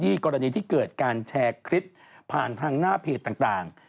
กรณีที่เกิดการแชร์คลิปผ่านทางหน้าเพจต่าง